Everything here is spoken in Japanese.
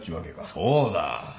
そうだ。